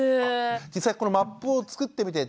実際このマップを作ってみてどうですか？